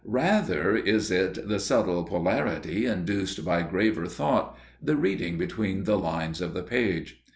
Rather is it the subtle polarity induced by graver thought, the reading between the lines of the page.